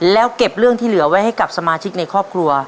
แล้วเก็บเรื่องที่เหลือไว้ให้กับสมาชิกในครอบครัว